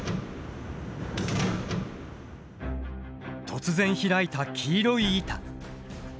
突然開いた黄色い板。